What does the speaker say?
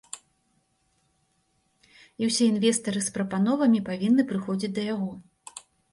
І ўсе інвестары з прапановамі павінны прыходзіць да яго.